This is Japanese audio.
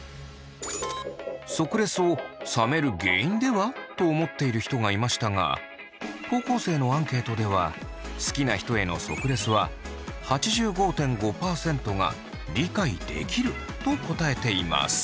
即レスを冷める原因では？と思っている人がいましたが高校生のアンケートでは好きな人への即レスは８５．５％が理解できると答えています。